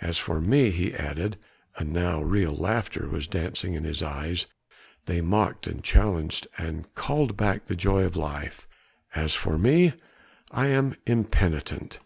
As for me," he added and now real laughter was dancing in his eyes: they mocked and challenged and called back the joy of life, "as for me, I am impenitent.